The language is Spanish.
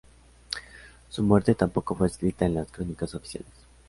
Su muerte tampoco fue escrita en las crónicas oficiales.